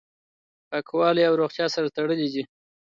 پاکوالی او روغتیا سره تړلي دي.